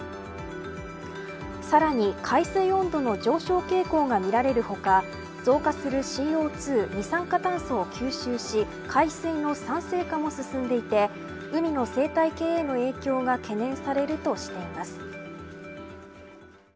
さらに海水温度の上昇傾向が見られる他増加するＣＯ２二酸化炭素を吸収し海水の酸性化も進んでいて海の生態系への影響が懸念されるとしています。